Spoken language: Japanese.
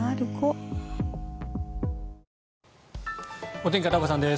お天気、片岡さんです。